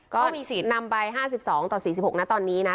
ก็มีสินนำไปห้าสิบสองต่อสี่สิบหกนะตอนนี้นะ